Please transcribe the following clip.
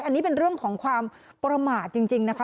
อันนี้เป็นเรื่องของความประมาทจริงนะคะ